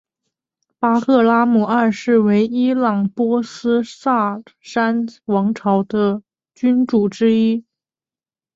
巴赫拉姆二世为伊朗波斯萨珊王朝的君主之一。